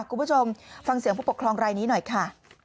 คุณผู้ชมฟังเสียงผู้ปกครองรายนี้หน่อยค่ะ